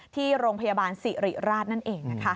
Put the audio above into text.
ที่โรงพยาบาลสิริราชนั่นเองนะคะ